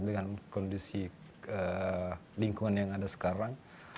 dengan kondisi lingkungan yang ada sekarang